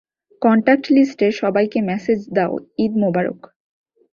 Contact লিস্টের সবাইকে message দাও, ঈদ মোবারক।